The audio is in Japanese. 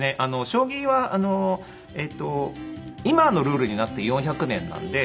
将棋は今のルールになって４００年なんで。